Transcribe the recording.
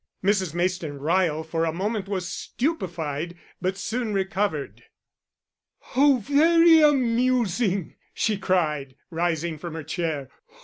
Mrs. Mayston Ryle for a moment was stupefied, but soon recovered. "How very amusing," she cried, rising from her chair.